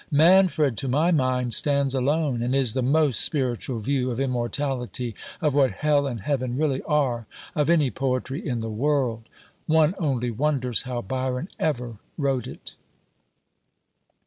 Manfred, to my mind, stands alone, and is the most spiritual view of immortality, of what hell and heaven really are, of any poetry in the world. One only wonders how Byron ever wrote it.